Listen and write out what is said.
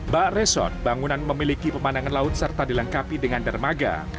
bak resort bangunan memiliki pemandangan laut serta dilengkapi dengan dermaga